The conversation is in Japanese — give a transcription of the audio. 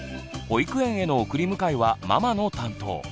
保育園への送り迎えはママの担当。